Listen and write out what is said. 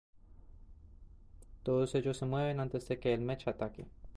Todos ellos se mueven antes de que el Mech ataque.